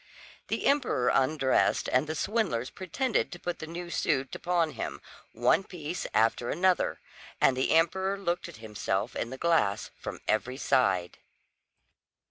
The emperor undressed, and the swindlers pretended to put the new suit upon him, one piece after another; and the emperor looked at himself in the glass from every side.